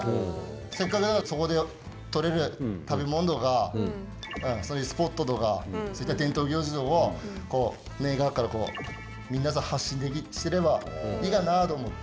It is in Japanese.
せっかくだからそこでとれる食べ物とかそういうスポットとかそういった伝統行事をネイガーからみんなさ発信すればいいがなと思って。